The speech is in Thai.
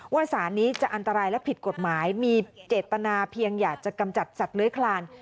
สารนี้จะอันตรายและผิดกฎหมายมีเจตนาเพียงอยากจะกำจัดสัตว์เลื้อยคลาน